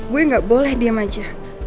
gue gak boleh diem aja